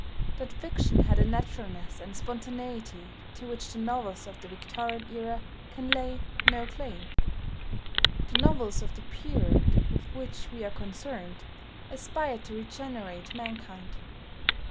That fiction had a naturalness and spontaneity to which the novels of the Victorian Era can lay no claim. The novels of the period with which we are concerned aspire to regenerate mankind.